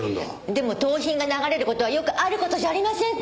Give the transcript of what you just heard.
でも盗品が流れる事はよくある事じゃありませんか！